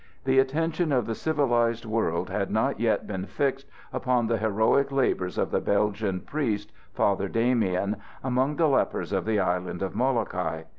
The attention of the civilized world had not yet been fixed upon the heroic labors of the Belgian priest, Father Damien, among the lepers of the island of Molokai.